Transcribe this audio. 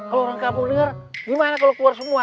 kalau orang kampung dengar gimana kalau keluar semua